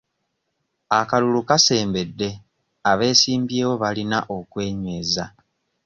Akalulu kasembedde abeesimbyewo balina okwenyweza.